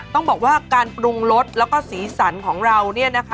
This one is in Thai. ต้องบอกว่าการปรุงรสแล้วก็สีสันของเราเนี่ยนะคะ